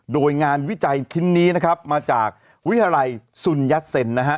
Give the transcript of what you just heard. โดยงานวิจัยชิ้นนี้นะครับมาจากวิทยาลัยสุนยัดเซ็นนะฮะ